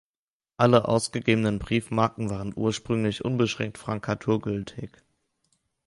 Alle ausgegebenen Briefmarken waren ursprünglich unbeschränkt frankaturgültig.